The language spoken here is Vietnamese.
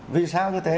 vì sao như thế